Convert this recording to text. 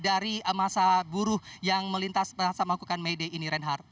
dari masa buruh yang melintas sama hukuman may day ini renhard